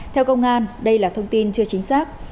theo công an đây là thông tin chưa chính xác